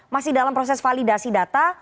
masih dalam proses validasi data